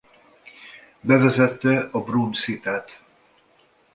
Bevezette a Brun-szitát.